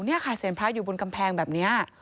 นี่ค่ะเสียงพระอยู่บนกำแพงแบบนี้